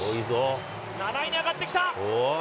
７位に上がってきた。